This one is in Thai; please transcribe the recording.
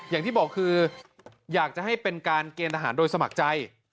อย่างที่บอกคืออยากจะให้เป็นการเกณฑ์ทหารโดยสมัครใจ